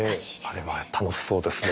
あれは楽しそうですね。